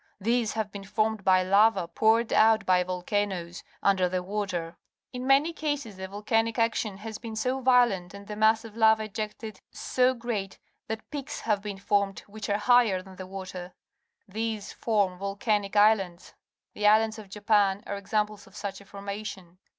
These have been formed by lava poured out by volcanoes under the water. In mam^ cases the volcanic action has been so violent and the mass of lava ejected so great that peaks have been formed which are higher than the water. These form volcanic islands. The islands of Japan are examples of such a formation.